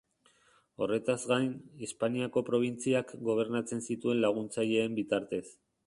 Horretaz gain, Hispaniako probintziak gobernatzen zituen laguntzaileen bitartez.